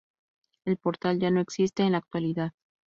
El portal ya no existe en la actualidad.